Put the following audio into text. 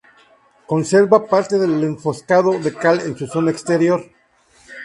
Conserva parte del enfoscado de cal en su zona exterior.